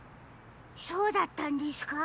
そうだったんですか？